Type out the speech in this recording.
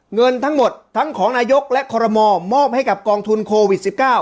เงินทั้งหมดทั้งของนายกและคอรมอลมอบให้กับกองทุนโควิด๑๙